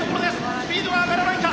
スピードは上がらないか。